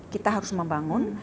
kita harus membangun